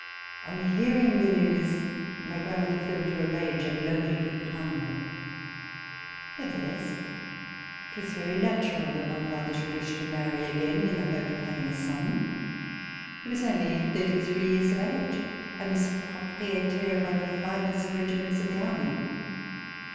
On hearing the news, my grandmother flew into a rage, and nobody could calm her. Never theless, it was very natural that my father should wish to marry again, in the hope of having a son. He was only thirty three years of age and was proprietaire of one of the finest regiments of the army.